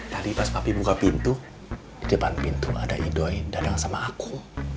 tadi pas papi buka pintu di depan pintu ada idoin dadang sama aku